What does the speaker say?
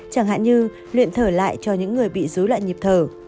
chẳng hạn như luyện thở lại cho những người bị dối loạn nhịp thở